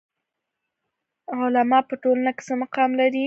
علما په ټولنه کې څه مقام لري؟